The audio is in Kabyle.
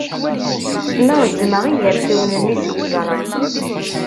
La ṛejjmeɣ igerfiwen-nni s yeẓra.